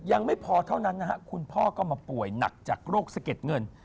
ยังไม่พอเท่านั้นนะฮะคุณพ่อก็มาป่วยหนักจากโรคสะเก็ดเงิน